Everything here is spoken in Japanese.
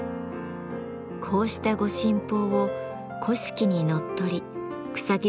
こうした御神宝を古式にのっとり草木